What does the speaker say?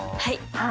はい。